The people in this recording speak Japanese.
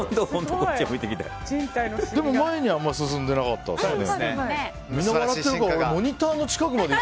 でも、前にはあまり進んでなかったですね。